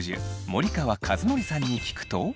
森川和則さんに聞くと。